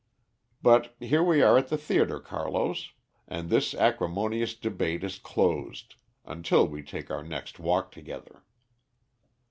But here we are at the theatre, Carlos, and this acrimonious debate is closed until we take our next walk together."